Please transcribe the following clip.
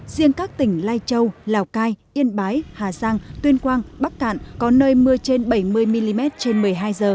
riêng các tỉnh lai châu lào cai yên bái hà giang tuyên quang bắc cạn có nơi mưa trên bảy mươi mm trên một mươi hai h